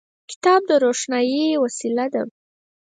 کتاب د روښنايي وسیله ده.